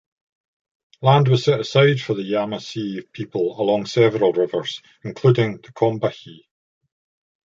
Land was set aside for the Yemassee people along several rivers, including the Combahee.